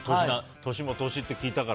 年も年って聞いたから。